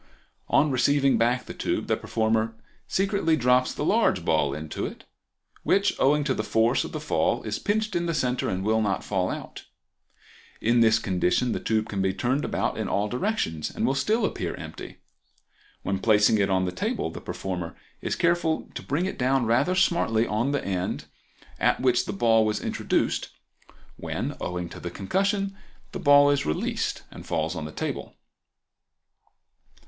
On receiving back the tube the performer secretly drops the large ball into it, which, owing to the force of the fall, is pinched in the center and will not fall out. In this condition the tube can be turned about in all directions and will still appear empty. When placing it on the table the performer is careful to bring it down rather smartly on the end at which the ball was introduced, when, owing to the concussion, the ball is released and falls on the table.